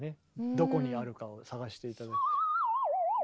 どこにあるかを探して。